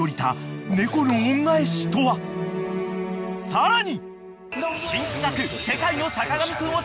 ［さらに］